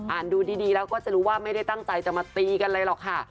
ดูดีแล้วก็จะรู้ว่าไม่ได้ตั้งใจจะมาตีกันเลยหรอกค่ะ